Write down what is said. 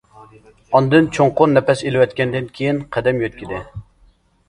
ئاندىن چوڭقۇر نەپەس ئېلىۋەتكەندىن كېيىن قەدەم يۆتكىدى.